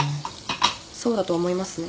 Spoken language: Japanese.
そうだと思いますね。